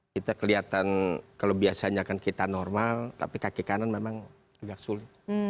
kita kelihatan kalau biasanya kan kita normal tapi kaki kanan memang agak sulit